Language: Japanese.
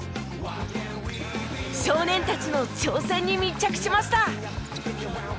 少年たちの挑戦に密着しました！